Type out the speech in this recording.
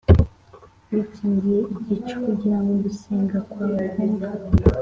Wikingiye igicu Kugira ngo gusenga kwacu kumvwe